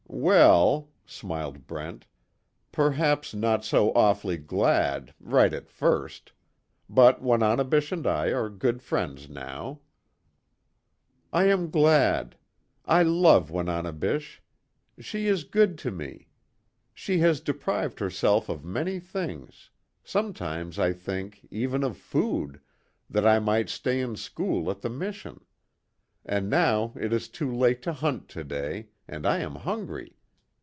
"Well," smiled Brent, "Perhaps not so awfully glad right at first. But Wananebish and I are good friends, now." "I am glad. I love Wananebish. She is good to me. She has deprived herself of many things sometimes I think, even of food, that I might stay in school at the mission. And now it is too late to hunt today, and I am hungry.